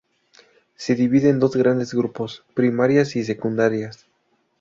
Se divide en dos grandes grupos: primarias y secundarias.